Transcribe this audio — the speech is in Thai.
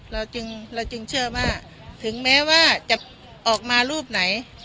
เราจึงเชื่อว่าถึงแม้ว่าจะออกมารูปไหน